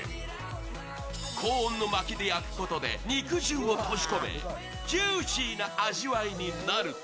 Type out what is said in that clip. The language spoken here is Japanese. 高温のまきで焼くことで肉汁を閉じ込めジューシーな味わいになると